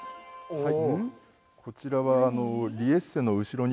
はい。